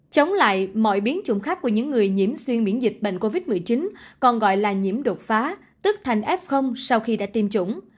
chống lại mọi biến chủng khác của những người nhiễm xuyên miễn dịch bệnh covid một mươi chín còn gọi là nhiễm đột phá tức thành f sau khi đã tiêm chủng